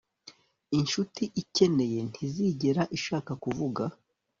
Inshuti ikeneye ntizigera ishaka kuvuga